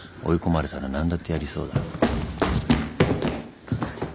追い込まれたら何だってやりそうだ。